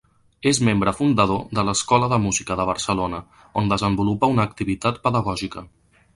És membre fundador de l'Escola de Música de Barcelona, on desenvolupa una activitat pedagògica.